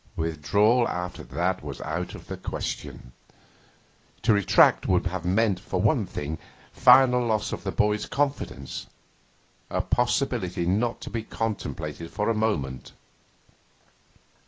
Withdrawal after that was out of the question. To retract would have meant, for one thing, final loss of the boy's confidence a possibility not to be contemplated for a moment.